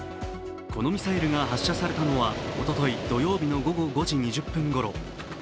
このミサイルが発射されたのはおととい土曜日の午後５時２０分頃。